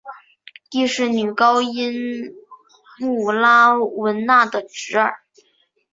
亦是女高音穆拉汶娜的侄儿。